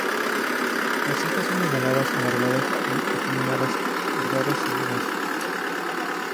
La hojas son ovaladas, alargadas y acuminadas, cordadas en la base.